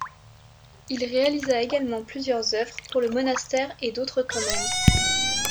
Il réalisa également plusieurs œuvres pour le monastère et d'autres commandes.